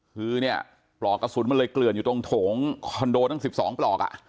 คือเนี่ยปลอกกระสุนมันเลยเกลื่อนอยู่ตรงโถงคอนโดทั้ง๑๒ปลอก